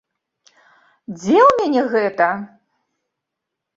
Дзе ў мяне гэта?